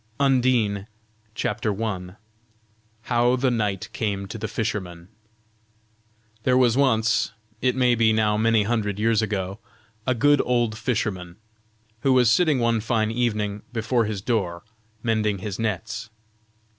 UNDINE. CHAPTER I. HOW THE KNIGHT CAME TO THE FISHERMAN. There was once, it may be now many hundred years ago, a good old fisherman, who was sitting one fine evening before his door, mending his nets.